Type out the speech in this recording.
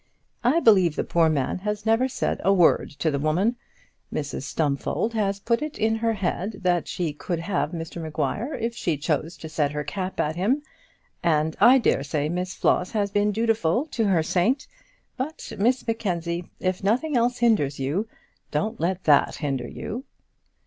I believe the poor man has never said a word to the woman. Mrs Stumfold has put it into her head that she could have Mr Maguire if she chose to set her cap at him, and, I dare say, Miss Floss has been dutiful to her saint. But, Miss Mackenzie, if nothing else hinders you, don't let that hinder you."